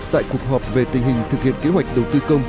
tại cuộc họp về tình hình thực hiện kế hoạch đầu tư công